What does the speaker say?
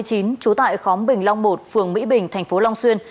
trú tại khóm bình long một phường mỹ bình thành phố long xuyên